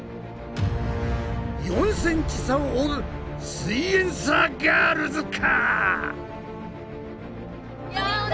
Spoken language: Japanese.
４ｃｍ差を追うすイエんサーガールズか？